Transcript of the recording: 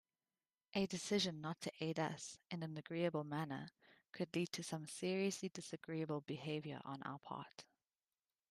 A decision not to aid us in an agreeable manner could lead to some seriously disagreeable behaviour on our part.